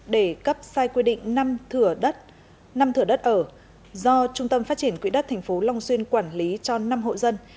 để cấp sai quy định năm thửa đất ở do trung tâm phát triển quỹ đất tp long xuyên quản lý cho năm hộ dân